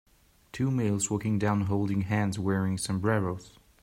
two males walking down holding hands wearing sombreros.